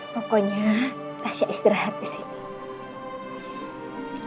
pokoknya tasya istirahat di sini